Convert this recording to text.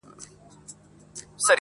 د زړګي لښکر مي ټوله تار و مار دی,